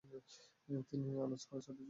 তিনি আল-আজহারের সাথে যুক্ত ছিলেন।